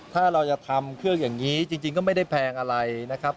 ถ้าเราจะทำเครื่องอย่างนี้จริงก็ไม่ได้แพงอะไรนะครับ